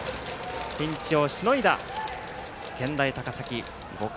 ピンチをしのいだ健大高崎。